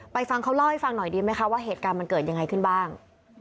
ฟังเขาเล่าให้ฟังหน่อยดีไหมคะว่าเหตุการณ์มันเกิดยังไงขึ้นบ้าง